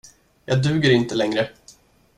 Jag duger inte längre.